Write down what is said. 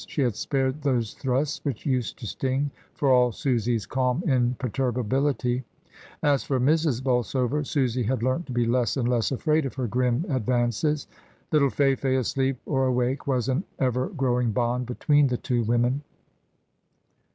She had spared those thrusts which used to sting, for all Susy's calm imperturbability. As for Mrs. Bolsover, Susy had learnt to be less and less afraid of her grim advances. Little Fayfay, asleep or awake, was an ever growing bond between the two women.